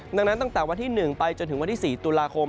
ดังนั้นตั้งแต่วันที่๑ไปจนถึงวันที่๔ตุลาคม